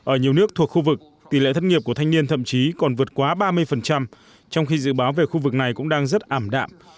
ở nhiều nước thuộc khu vực tỷ lệ thất nghiệp của thanh niên thậm chí còn vượt quá ba mươi trong khi dự báo về khu vực này cũng đang rất ảm đạm